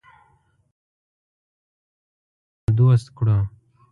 چې خپل عصبي سیستم د ځان دوست کړو.